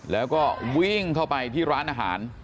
แล้วก็วิ่งเข้าไปที่ร้านอาหาร